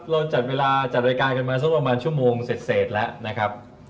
เราจัดเวลาจัดรายการกันมาสักประมาณชั่วโมงเสร็จแล้วนะครับ